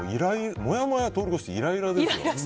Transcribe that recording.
もやもやを通り越してイライラですよ。